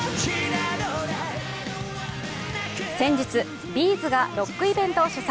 先日、Ｂ’ｚがロックイベントを主催。